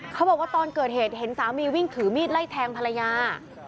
เขาบอกว่าตอนเกิดเหตุเห็นสามีวิ่งถือมีดไล่แทงภรรยา